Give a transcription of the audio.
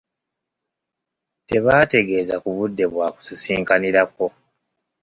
Tebaategeeza ku budde bwa kusisinkanirako.